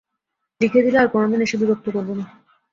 লিখে দিলে আর কোনোদিন এসে বিরক্ত করব না।